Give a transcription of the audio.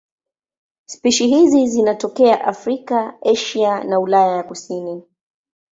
Spishi hizi zinatokea Afrika, Asia na Ulaya ya kusini.